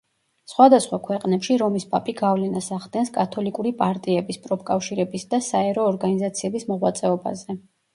სხვადასხვა ქვეყნებში რომის პაპი გავლენას ახდენს კათოლიკური პარტიების, პროფკავშირების და საერო ორგანიზაციების მოღვაწეობაზე.